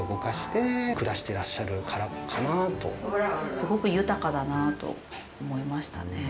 すごく豊かだなぁと思いましたね。